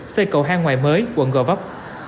xây cầu hang ngoài mới quận gò vấp